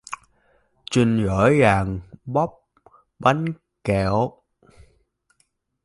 Trinh vội vàng bóc Bánh Kẹo